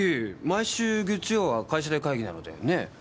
毎週月曜は会社で会議なので。